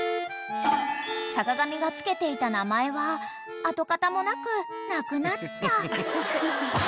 ［坂上が付けていた名前は跡形もなくなくなった］